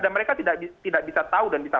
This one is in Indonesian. dan mereka tidak bisa tahu dan bisa